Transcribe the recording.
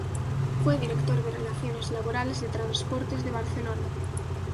Fue director de relaciones laborales de Transportes de Barcelona.